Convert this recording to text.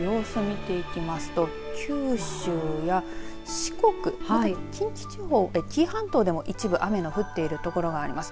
雨雲の様子、見ていきますと九州や四国近畿地方、紀伊半島でも一部雨の降っている所があります。